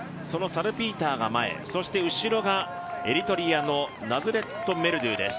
そのサルピーターが前、後ろがエリトリアのナズレット・メルドゥです。